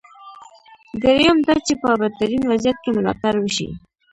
درېیم دا چې په بدترین وضعیت کې ملاتړ وشي.